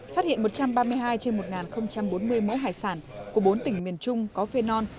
phát hiện một trăm ba mươi hai trên một bốn mươi mẫu hải sản của bốn tỉnh miền trung có phenol